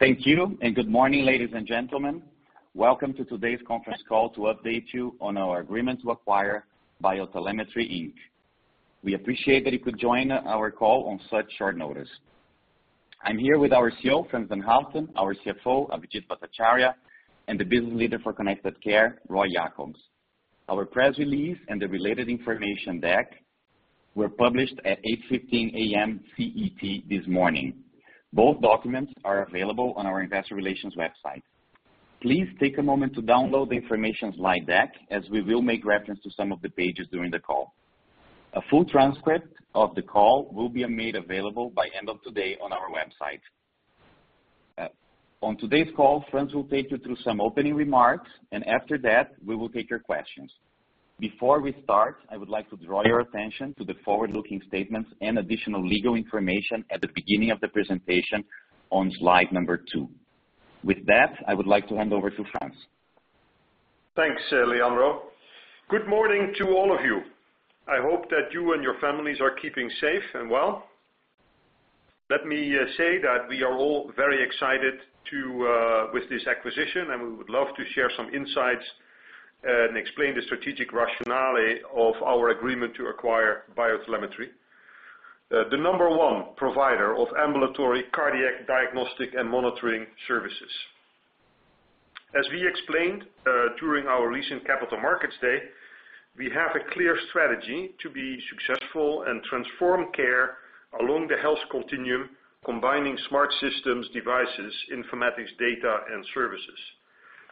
Thank you. Good morning, ladies and gentlemen. Welcome to today's conference call to update you on our agreement to acquire BioTelemetry, Inc. We appreciate that you could join our call on such short notice. I'm here with our CEO, Frans van Houten, our CFO, Abhijit Bhattacharya, and the Business Leader for Connected Care, Roy Jakobs. Our press release and the related information deck were published at 8:15 A.M. CET this morning. Both documents are available on our investor relations website. Please take a moment to download the information slide deck, as we will make reference to some of the pages during the call. A full transcript of the call will be made available by end of today on our website. On today's call, Frans will take you through some opening remarks, and after that, we will take your questions. Before we start, I would like to draw your attention to the forward-looking statements and additional legal information at the beginning of the presentation on slide number two. With that, I would like to hand over to Frans. Thanks, Leandro. Good morning to all of you. I hope that you and your families are keeping safe and well. Let me say that we are all very excited with this acquisition, and we would love to share some insights and explain the strategic rationale of our agreement to acquire BioTelemetry, the number one provider of ambulatory cardiac diagnostic and monitoring services. As we explained during our recent capital markets day, we have a clear strategy to be successful and transform care along the health continuum, combining smart systems, devices, informatics data, and services.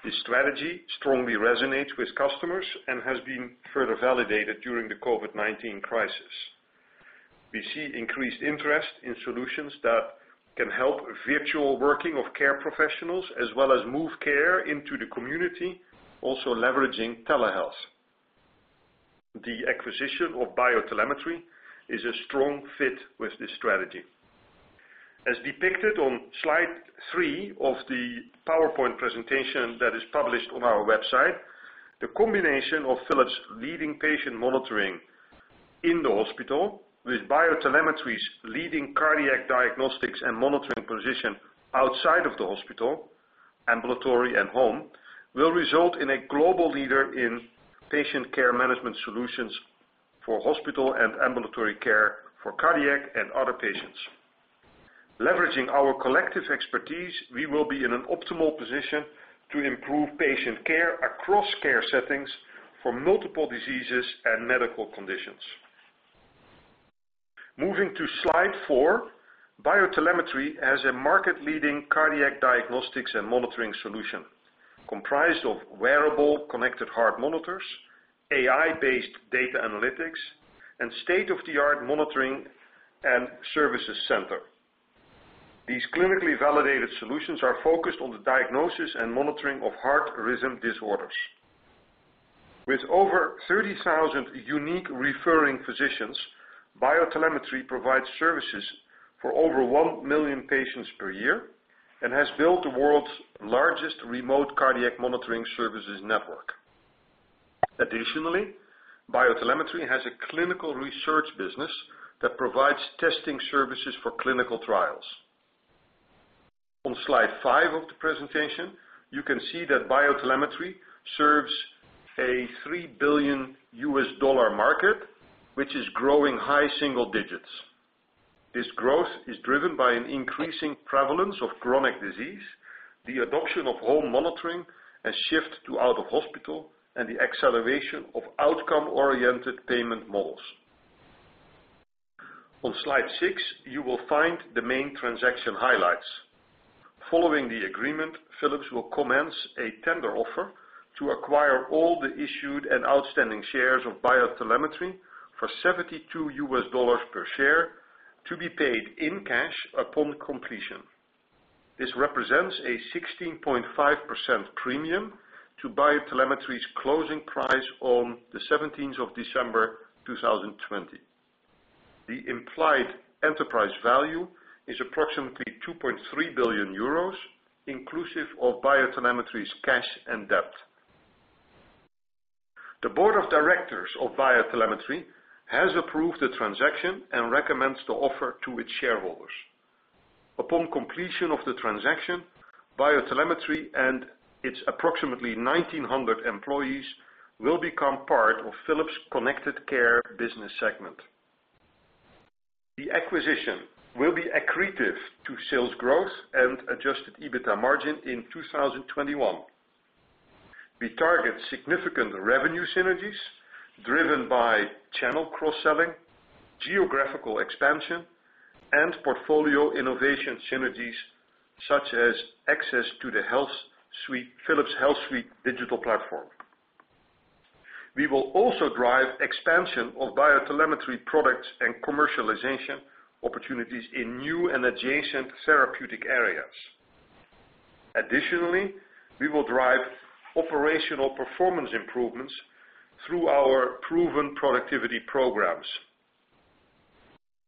This strategy strongly resonates with customers and has been further validated during the COVID-19 crisis. We see increased interest in solutions that can help virtual working of care professionals, as well as move care into the community, also leveraging telehealth. The acquisition of BioTelemetry is a strong fit with this strategy. As depicted on slide three of the PowerPoint presentation that is published on our website, the combination of Philips leading patient monitoring in the hospital with BioTelemetry's leading cardiac diagnostics and monitoring position outside of the hospital, ambulatory and home, will result in a global leader in patient care management solutions for hospital and ambulatory care for cardiac and other patients. Leveraging our collective expertise, we will be in an optimal position to improve patient care across care settings for multiple diseases and medical conditions. Moving to slide four, BioTelemetry has a market leading cardiac diagnostics and monitoring solution comprised of wearable connected heart monitors, AI-based data analytics, and state-of-the-art monitoring and services center. These clinically validated solutions are focused on the diagnosis and monitoring of heart rhythm disorders. With over 30,000 unique referring physicians, BioTelemetry provides services for over 1 million patients per year and has built the world's largest remote cardiac monitoring services network. Additionally, BioTelemetry has a clinical research business that provides testing services for clinical trials. On slide five of the presentation, you can see that BioTelemetry serves a $3 billion U.S. dollar market, which is growing high single digits. This growth is driven by an increasing prevalence of chronic disease, the adoption of home monitoring, a shift to out of hospital, and the acceleration of outcome-oriented payment models. On slide six, you will find the main transaction highlights. Following the agreement, Philips will commence a tender offer to acquire all the issued and outstanding shares of BioTelemetry for $72 U.S. dollars per share to be paid in cash upon completion. This represents a 16.5% premium to BioTelemetry's closing price on the 17th of December, 2020. The implied enterprise value is approximately 2.3 billion euros, inclusive of BioTelemetry's cash and debt. The board of directors of BioTelemetry has approved the transaction and recommends the offer to its shareholders. Upon completion of the transaction, BioTelemetry and its approximately 1,900 employees will become part of Philips' Connected Care business segment. The acquisition will be accretive to sales growth and adjusted EBITA margin in 2021. We target significant revenue synergies driven by channel cross-selling, geographical expansion, and portfolio innovation synergies such as access to the Philips HealthSuite digital platform. We will also drive expansion of BioTelemetry products and commercialization opportunities in new and adjacent therapeutic areas. Additionally, we will drive operational performance improvements through our proven productivity programs.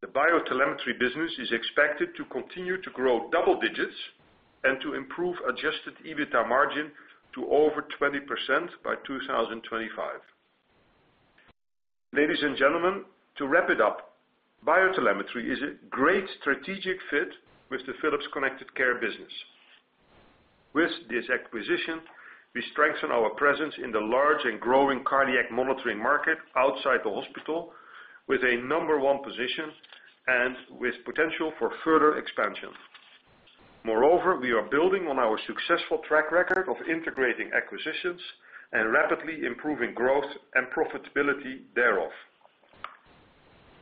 The BioTelemetry business is expected to continue to grow double digits and to improve adjusted EBITA margin to over 20% by 2025. Ladies and gentlemen, to wrap it up, BioTelemetry is a great strategic fit with the Philips Connected Care business. With this acquisition, we strengthen our presence in the large and growing cardiac monitoring market outside the hospital, with a number one position and with potential for further expansion. Moreover, we are building on our successful track record of integrating acquisitions and rapidly improving growth and profitability thereof.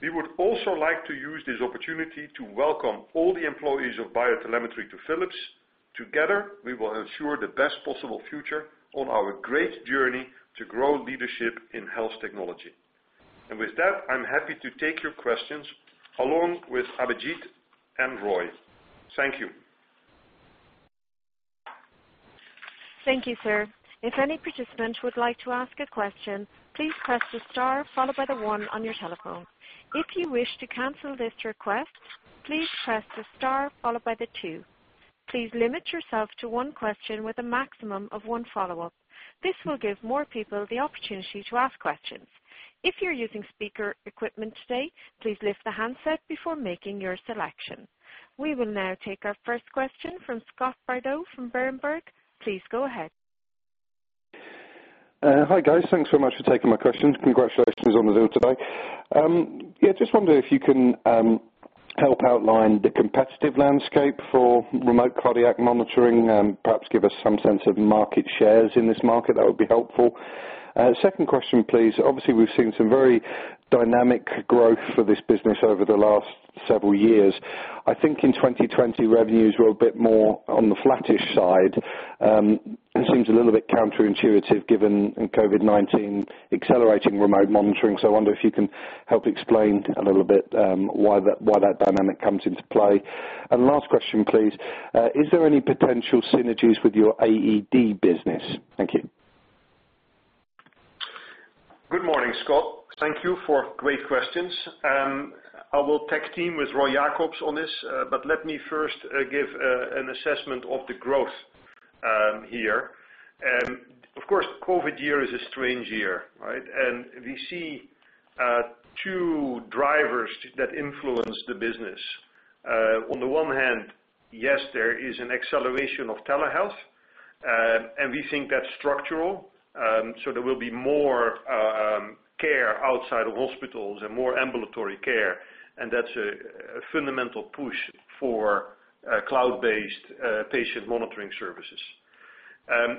We would also like to use this opportunity to welcome all the employees of BioTelemetry to Philips. Together, we will ensure the best possible future on our great journey to grow leadership in health technology. With that, I'm happy to take your questions, along with Abhijit and Roy. Thank you. Thank you, sir. If any participant would like to ask a question, please press the star followed by the one on your telephone. If you wish to cancel this request, please press the star followed by the two. Please limit yourself to one question with a maximum of one follow-up. This will give more people the opportunity to ask questions. If you're using speaker equipment today, please lift the handset before making your selection. We will now take our first question from Scott Bardo from Berenberg. Please go ahead. Hi, guys. Thanks so much for taking my questions. Congratulations on the deal today. Just wondering if you can help outline the competitive landscape for remote cardiac monitoring and perhaps give us some sense of market shares in this market, that would be helpful. Second question, please. Obviously, we've seen some very dynamic growth for this business over the last several years. I think in 2020, revenues were a bit more on the flattish side. It seems a little bit counterintuitive given COVID-19 accelerating remote monitoring. I wonder if you can help explain a little bit why that dynamic comes into play. Last question, please. Is there any potential synergies with your AED business? Thank you. Good morning, Scott. Thank you for great questions. I will tag team with Roy Jakobs on this, but let me first give an assessment of the growth here. Of course, COVID year is a strange year, right? We see two drivers that influence the business. On the one hand, yes, there is an acceleration of telehealth, and we think that's structural. There will be more care outside of hospitals and more ambulatory care, and that's a fundamental push for cloud-based patient monitoring services.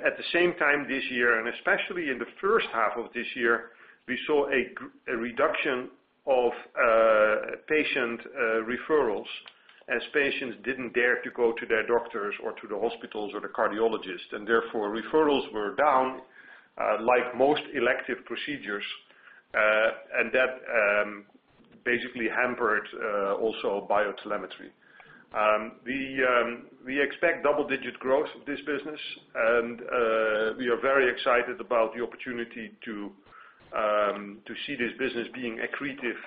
At the same time this year, and especially in the first half of this year, we saw a reduction of patient referrals as patients didn't dare to go to their doctors or to the hospitals or the cardiologist, and therefore, referrals were down, like most elective procedures. That basically hampered also BioTelemetry. We expect double-digit growth of this business, and we are very excited about the opportunity to see this business being accretive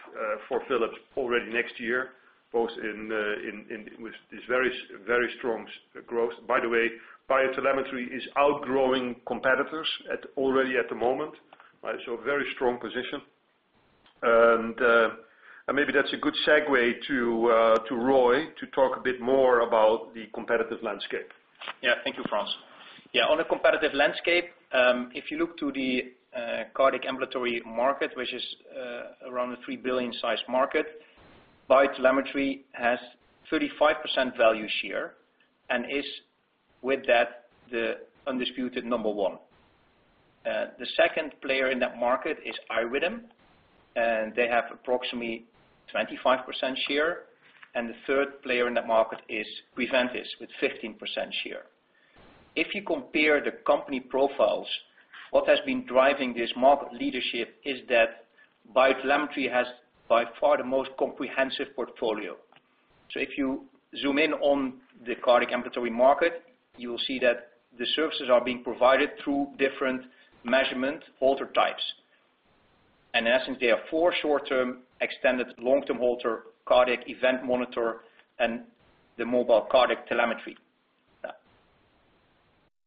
for Philips already next year, both with this very strong growth. By the way, BioTelemetry is outgrowing competitors already at the moment. A very strong position. Maybe that's a good segue to Roy to talk a bit more about the competitive landscape. Yeah. Thank you, Frans. Yeah, on a competitive landscape, if you look to the cardiac ambulatory market, which is around a 3 billion size market, BioTelemetry has 35% value share and is, with that, the undisputed number one. The second player in that market is iRhythm, and they have approximately 25% share, and the third player in that market is Preventice with 15% share. If you compare the company profiles, what has been driving this market leadership is that BioTelemetry has by far the most comprehensive portfolio. If you zoom in on the cardiac ambulatory market, you will see that the services are being provided through different measurement Holter types. In essence, there are four short-term, extended long-term Holter cardiac event monitor and the mobile cardiac telemetry.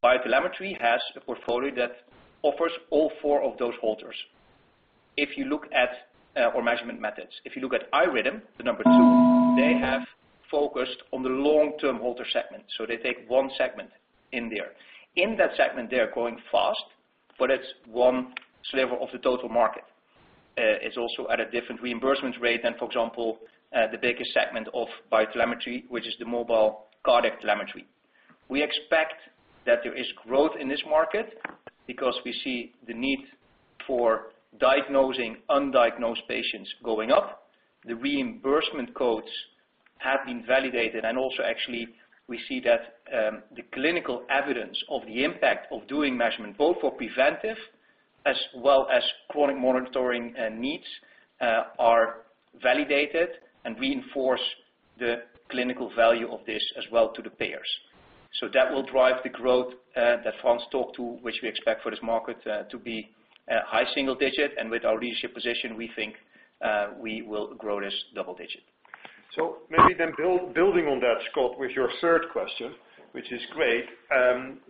BioTelemetry has a portfolio that offers all four of those Holters or measurement methods. If you look at iRhythm, the number two, they have focused on the long-term Holter segment. They take one segment in there. In that segment, they are growing fast, but it's one sliver of the total market. It's also at a different reimbursement rate than, for example, the biggest segment of BioTelemetry, which is the mobile cardiac telemetry. We expect that there is growth in this market because we see the need for diagnosing undiagnosed patients going up. The reimbursement codes have been validated, and also actually, we see that the clinical evidence of the impact of doing measurement, both for preventive as well as chronic monitoring needs, are validated and reinforce the clinical value of this as well to the payers. That will drive the growth that Frans talked to, which we expect for this market to be high single digit. With our leadership position, we think we will grow this double digit. Maybe then building on that, Scott, with your third question, which is great.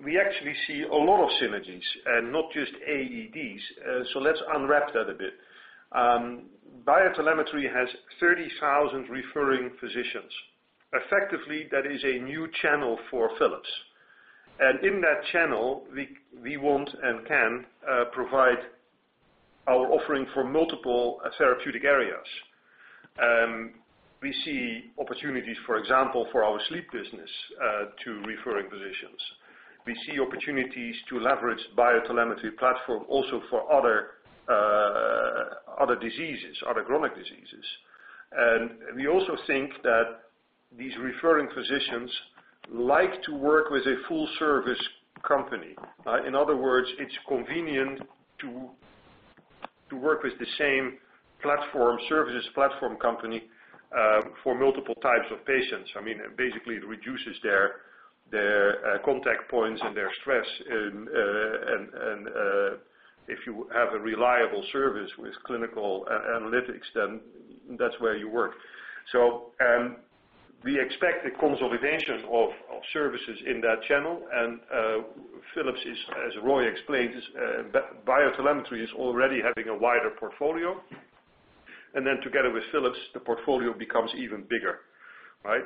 We actually see a lot of synergies and not just AEDs. Let's unwrap that a bit. BioTelemetry has 30,000 referring physicians. Effectively, that is a new channel for Philips. In that channel, we want and can provide our offering for multiple therapeutic areas. We see opportunities, for example, for our sleep business, to referring physicians. We see opportunities to leverage BioTelemetry platform also for other chronic diseases. We also think that these referring physicians like to work with a full service company. In other words, it's convenient to work with the same services platform company for multiple types of patients. Basically, it reduces their contact points and their stress. If you have a reliable service with clinical analytics, then that's where you work. We expect the consolidation of services in that channel. Philips is, as Roy explained, BioTelemetry is already having a wider portfolio. Together with Philips, the portfolio becomes even bigger, right?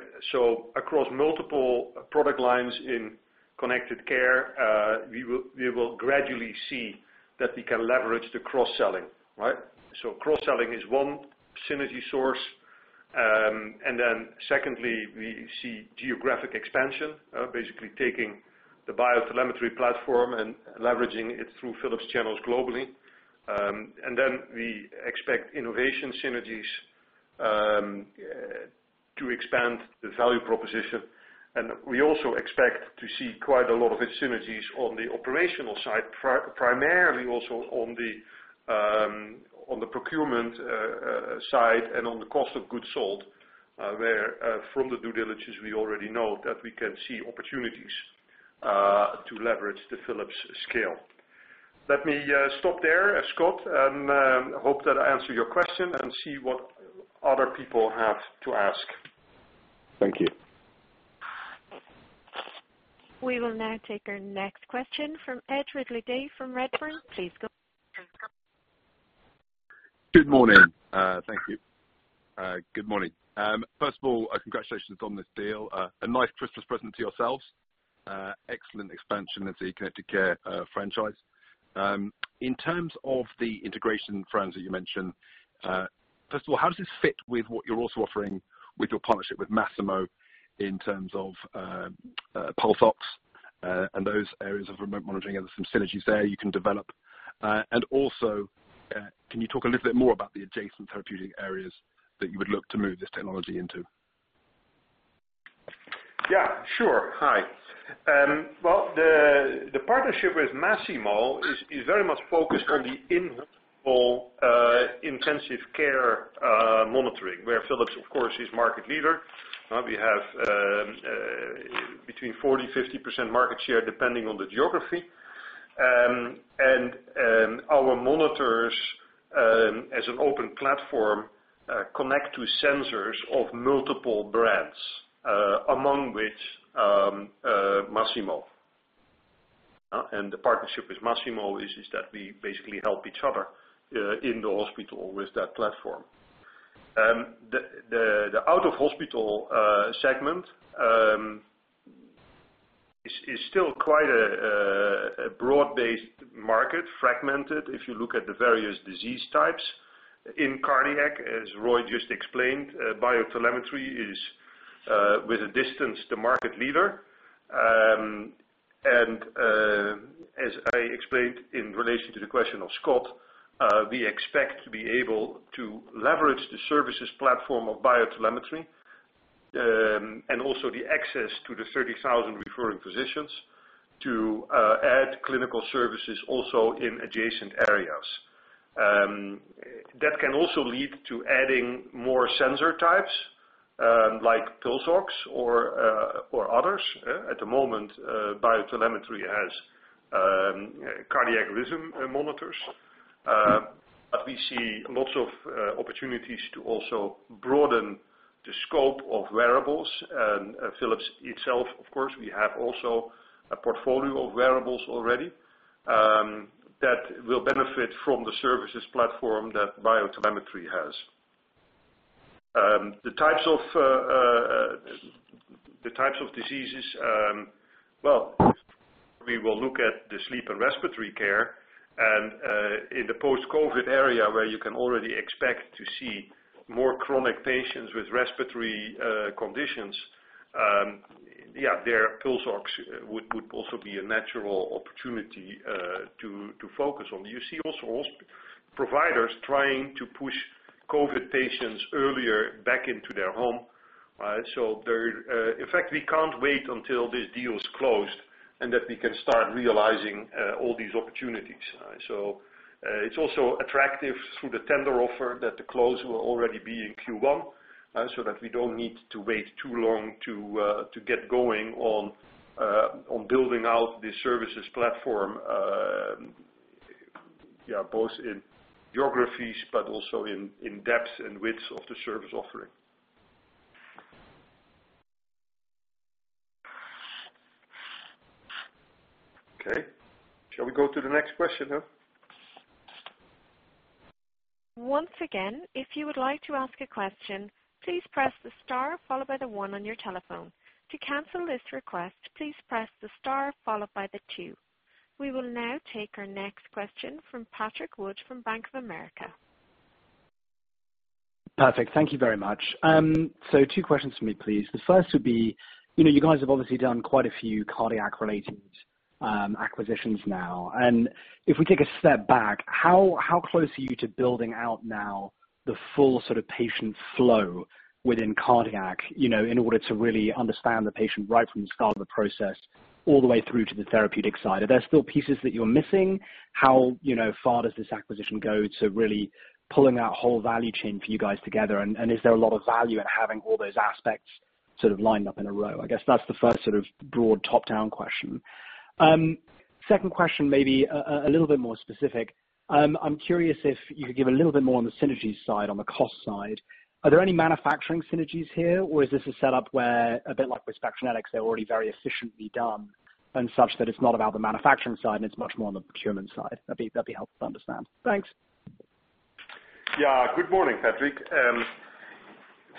Across multiple product lines in Connected Care, we will gradually see that we can leverage the cross-selling. Cross-selling is one synergy source. Secondly, we see geographic expansion, basically taking the BioTelemetry platform and leveraging it through Philips channels globally. We expect innovation synergies to expand the value proposition. We also expect to see quite a lot of synergies on the operational side, primarily also on the procurement side and on the cost of goods sold, where from the due diligence we already know that we can see opportunities to leverage the Philips scale. Let me stop there, Scott, and hope that I answered your question and see what other people have to ask. Thank you. We will now take our next question from Ed Ridley-Day from Redburn. Please go ahead. Good morning. Thank you. Good morning. First of all, congratulations on this deal. A nice Christmas present to yourselves. Excellent expansion of the Connected Care franchise. In terms of the integration, Frans, that you mentioned, first of all, how does this fit with what you're also offering with your partnership with Masimo in terms of pulse oximetry and those areas of remote monitoring? Are there some synergies there you can develop? Also, can you talk a little bit more about the adjacent therapeutic areas that you would look to move this technology into? Yeah, sure. Hi. Well, the partnership with Masimo is very much focused on the in-hospital intensive care monitoring, where Philips, of course, is market leader. We have between 40%, 50% market share, depending on the geography. Our monitors, as an open platform, connect to sensors of multiple brands, among which Masimo. The partnership with Masimo is that we basically help each other in the hospital with that platform. The out-of-hospital segment is still quite a broad-based market, fragmented if you look at the various disease types. In cardiac, as Roy just explained, BioTelemetry is, with a distance, the market leader. As I explained in relation to the question of Scott, we expect to be able to leverage the services platform of BioTelemetry, and also the access to the 30,000 referring physicians to add clinical services also in adjacent areas. That can also lead to adding more sensor types, like pulse oximetry or others. At the moment, BioTelemetry has cardiac rhythm monitors. We see lots of opportunities to also broaden the scope of wearables. Philips itself, of course, we have also a portfolio of wearables already that will benefit from the services platform that BioTelemetry has. The types of diseases, well, we will look at the sleep and respiratory care. In the post-COVID area, where you can already expect to see more chronic patients with respiratory conditions, yeah, their pulse oximetry would also be a natural opportunity to focus on. You see also providers trying to push COVID patients earlier back into their home. In fact, we can't wait until this deal is closed. We can start realizing all these opportunities. It's also attractive through the tender offer that the close will already be in Q1, so that we don't need to wait too long to get going on building out the services platform, both in geographies but also in depth and width of the service offering. Okay. Shall we go to the next question now? We will now take our next question from Patrick Wood, from Bank of America. Perfect. Thank you very much. Two questions for me, please. The first would be, you guys have obviously done quite a few cardiac-related acquisitions now, and if we take a step back, how close are you to building out now the full sort of patient flow within cardiac, in order to really understand the patient right from the start of the process, all the way through to the therapeutic side? Are there still pieces that you're missing? How far does this acquisition go to really pulling that whole value chain for you guys together, and is there a lot of value in having all those aspects sort of lined up in a row? I guess that's the first sort of broad top-down question. Second question may be a little bit more specific. I'm curious if you could give a little bit more on the synergy side, on the cost side. Are there any manufacturing synergies here, or is this a setup where, a bit like with Spectranetics, they're already very efficiently done and such that it's not about the manufacturing side and it's much more on the procurement side? That'd be helpful to understand. Thanks. Good morning, Patrick.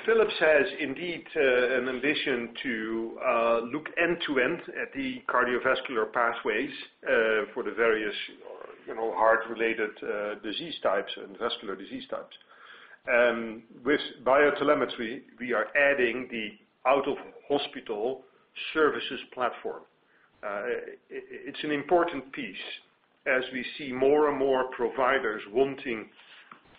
Philips has indeed an ambition to look end-to-end at the cardiovascular pathways, for the various heart-related disease types and vascular disease types. With BioTelemetry, we are adding the out-of-hospital services platform. It's an important piece as we see more and more providers wanting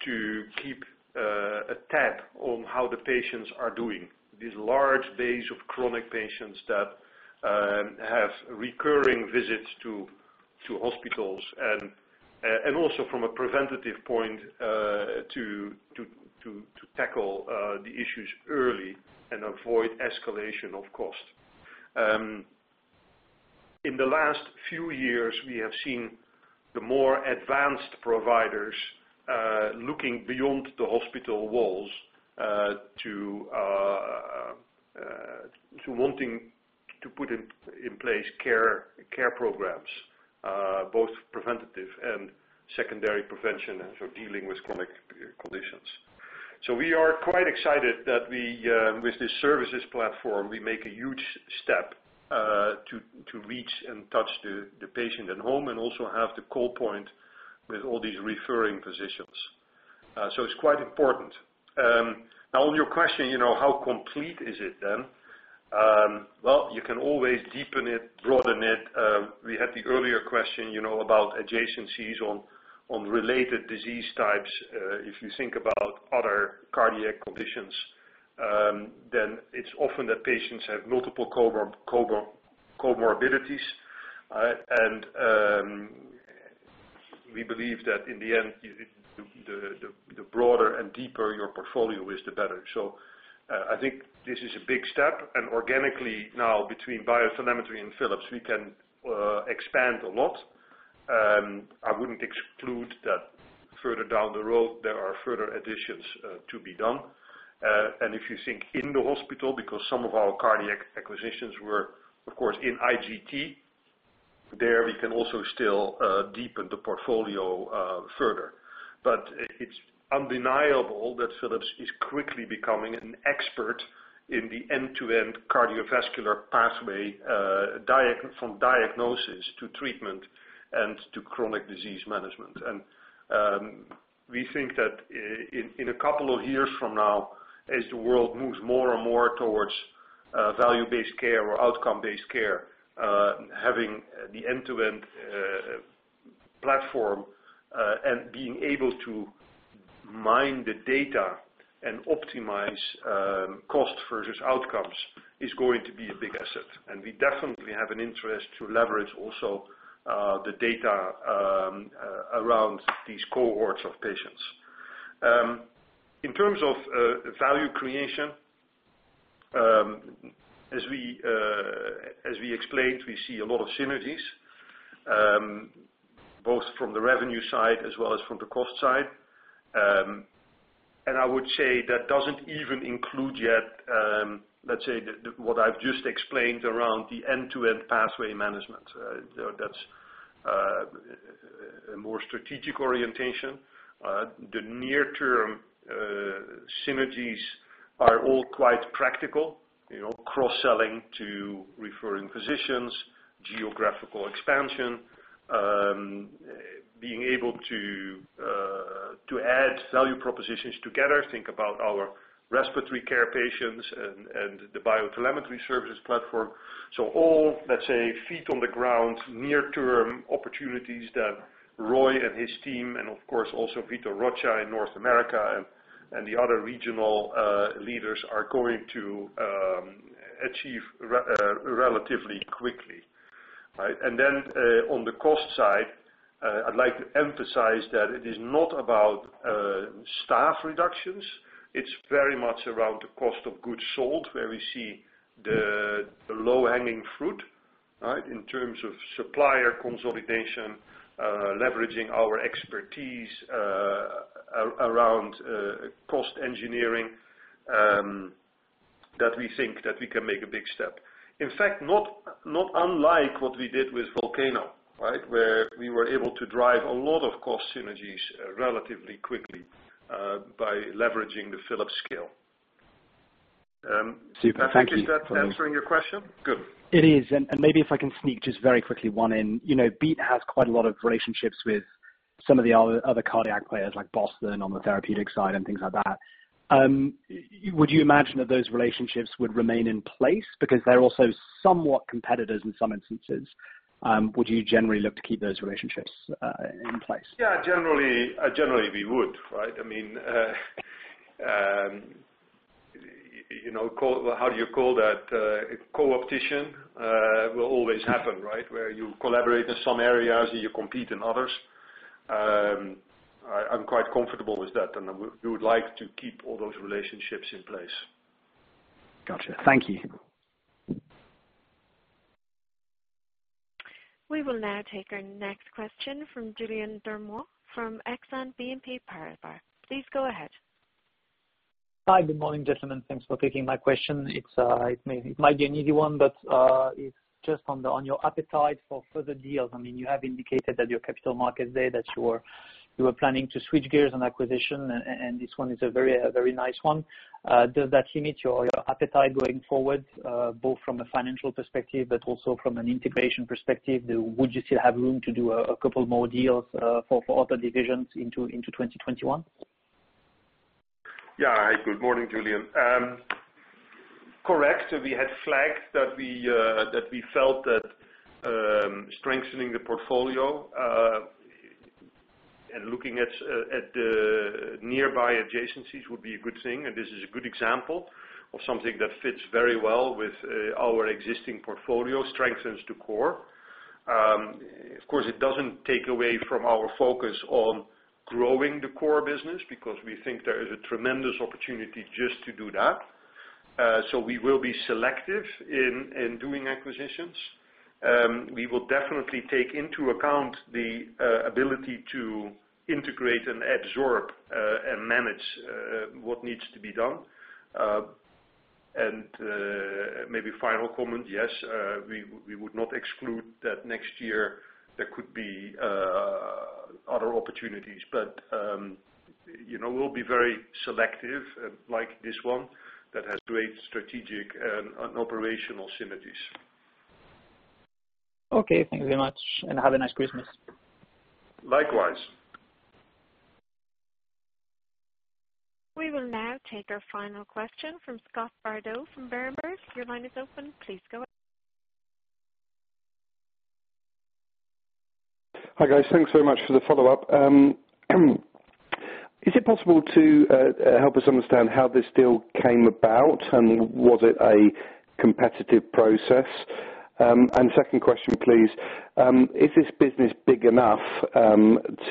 to keep a tab on how the patients are doing. This large base of chronic patients that have recurring visits to hospitals, and also from a preventative point, to tackle the issues early and avoid escalation of cost. In the last few years, we have seen the more advanced providers looking beyond the hospital walls to wanting to put in place care programs, both preventative and secondary prevention and for dealing with chronic conditions. We are quite excited that with this services platform, we make a huge step to reach and touch the patient at home, and also have the call point with all these referring physicians. It's quite important. On your question, how complete is it then? Well, you can always deepen it, broaden it. We had the earlier question, about adjacencies on related disease types. If you think about other cardiac conditions, then it's often that patients have multiple comorbidities. We believe that in the end, the broader and deeper your portfolio is, the better. I think this is a big step, and organically now between BioTelemetry and Philips, we can expand a lot. I wouldn't exclude that further down the road, there are further additions to be done. If you think in the hospital, because some of our cardiac acquisitions were, of course, in IGT. There, we can also still deepen the portfolio further. It's undeniable that Philips is quickly becoming an expert in the end-to-end cardiovascular pathway, from diagnosis to treatment and to chronic disease management. We think that in a couple of years from now, as the world moves more and more towards value-based care or outcome-based care, having the end-to-end platform, and being able to mine the data and optimize cost versus outcomes is going to be a big asset. We definitely have an interest to leverage also the data around these cohorts of patients. In terms of value creation, as we explained, we see a lot of synergies, both from the revenue side as well as from the cost side. I would say that doesn't even include yet, let's say what I've just explained around the end-to-end pathway management. That's a more strategic orientation. The near-term synergies are all quite practical. Cross-selling to referring physicians, geographical expansion, being able to add value propositions together. Think about our respiratory care patients and the BioTelemetry services platform. All, let's say, feet-on-the-ground, near-term opportunities that Roy and his team and of course also Vitor Rocha in North America and the other regional leaders are going to achieve relatively quickly. On the cost side, I'd like to emphasize that it is not about staff reductions. It's very much around the cost of goods sold, where we see the low-hanging fruit in terms of supplier consolidation, leveraging our expertise around cost engineering, that we think that we can make a big step. In fact, not unlike what we did with Volcano. Where we were able to drive a lot of cost synergies relatively quickly by leveraging the Philips scale. Super. Thank you. Patrick, is that answering your question? Good. It is. Maybe if I can sneak just very quickly one in. BioTel has quite a lot of relationships with some of the other cardiac players like Boston on the therapeutic side and things like that. Would you imagine that those relationships would remain in place because they're also somewhat competitors in some instances? Would you generally look to keep those relationships in place? Yeah, generally we would. How do you call that, co-opetition, will always happen. Where you collaborate in some areas, and you compete in others. I'm quite comfortable with that, and we would like to keep all those relationships in place. Got you. Thank you. We will now take our next question from Julien Dormois from Exane BNP Paribas. Please go ahead. Hi. Good morning, gentlemen. Thanks for taking my question. It might be an easy one, but it's just on your appetite for further deals. You have indicated at your capital markets day that you are planning to switch gears on acquisition, and this one is a very nice one. Does that limit your appetite going forward, both from a financial perspective but also from an integration perspective? Would you still have room to do a couple more deals for other divisions into 2021? Hi, good morning, Julien. Correct. We had flagged that we felt that strengthening the portfolio, and looking at the nearby adjacencies would be a good thing, and this is a good example of something that fits very well with our existing portfolio, strengthens the core. Of course, it doesn't take away from our focus on growing the core business because we think there is a tremendous opportunity just to do that. We will be selective in doing acquisitions. We will definitely take into account the ability to integrate and absorb, and manage what needs to be done. Maybe final comment, yes, we would not exclude that next year there could be other opportunities. We'll be very selective like this one that has great strategic and operational synergies. Okay. Thank you very much, and have a nice Christmas. Likewise. We will now take our final question from Scott Bardo from Berenberg. Your line is open. Please go ahead. Hi, guys. Thanks very much for the follow-up. Is it possible to help us understand how this deal came about? Was it a competitive process? Second question, please. Is this business big enough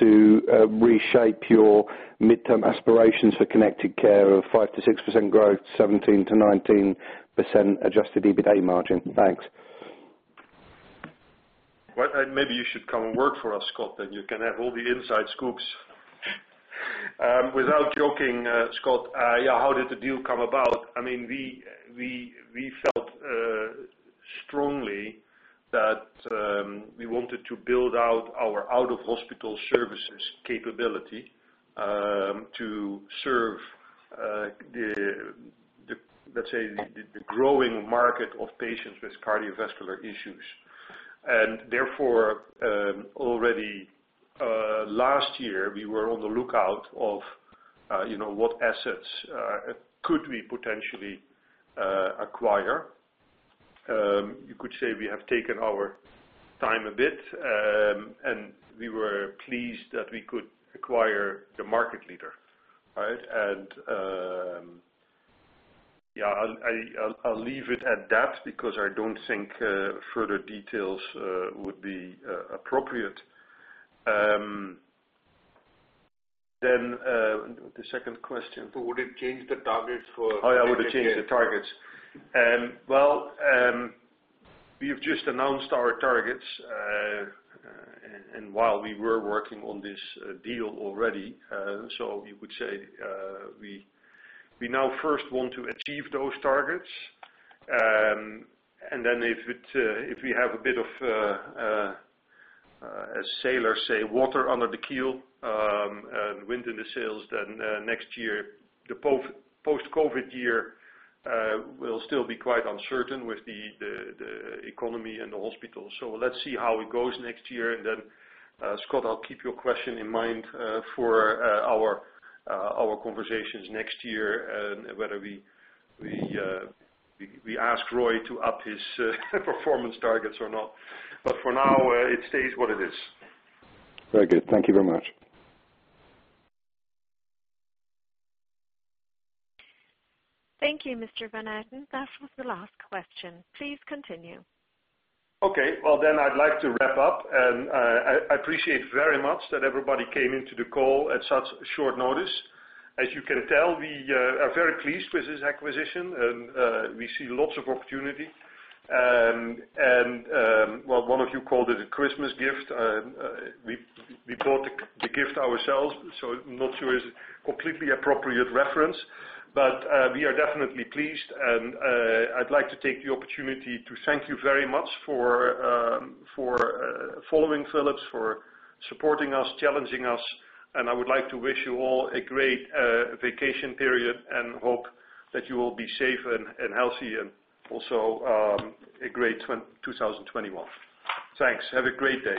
to reshape your midterm aspirations for Connected Care of 5%-6% growth, 17%-19% adjusted EBITA margin? Thanks. Maybe you should come and work for us, Scott, you can have all the inside scoops. Without joking, Scott, how did the deal come about? We felt strongly that we wanted to build out our out-of-hospital services capability, to serve, let's say, the growing market of patients with cardiovascular issues. Therefore, already last year, we were on the lookout of what assets could we potentially acquire. You could say we have taken our time a bit, and we were pleased that we could acquire the market leader. I'll leave it at that because I don't think further details would be appropriate. The second question. Would it change the targets for? Yeah, would it change the targets? Well, we have just announced our targets, and while we were working on this deal already. We would say, we now first want to achieve those targets, and then if we have a bit of, as sailors say, water under the keel and wind in the sails, then next year, the post-COVID-19 year, will still be quite uncertain with the economy and the hospitals. Let's see how it goes next year. Scott, I'll keep your question in mind for our conversations next year, and whether we ask Roy to up his performance targets or not. For now, it stays what it is. Very good. Thank you very much. Thank you, Frans van Houten. That was the last question. Please continue. Okay. Well, I'd like to wrap up. I appreciate very much that everybody came into the call at such short notice. As you can tell, we are very pleased with this acquisition, and we see lots of opportunity. Well, one of you called it a Christmas gift. We bought the gift ourselves, so I'm not sure it's a completely appropriate reference. We are definitely pleased, and I'd like to take the opportunity to thank you very much for following Philips, for supporting us, challenging us. I would like to wish you all a great vacation period and hope that you will be safe and healthy and also, a great 2021. Thanks. Have a great day.